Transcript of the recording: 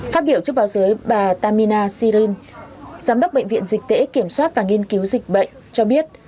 phát biểu trước báo giới bà tamina sirin giám đốc bệnh viện dịch tễ kiểm soát và nghiên cứu dịch bệnh cho biết